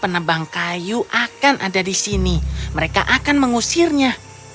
saya akan mencari dia